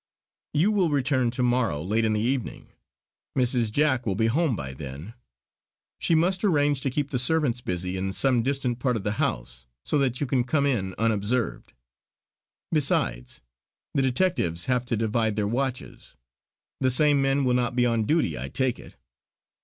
"You will return to morrow late in the evening. Mrs. Jack will be home by then; she must arrange to keep the servants busy in some distant part of the house, so that you can come in unobserved. Besides, the detectives have to divide their watches; the same men will not be on duty I take it.